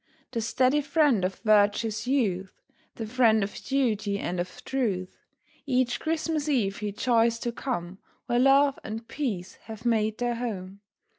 The steady friend of virtuous youth, The friend of duty, and of truth, Each Christmas eve he joys to come Where love and peace have made their home.